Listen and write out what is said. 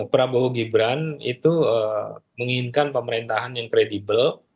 prabowo gibran itu menginginkan pemerintahan yang kredibel